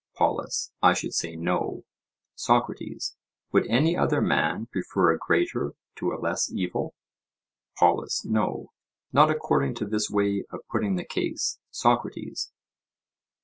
POLUS: I should say "No." SOCRATES: Would any other man prefer a greater to a less evil? POLUS: No, not according to this way of putting the case, Socrates.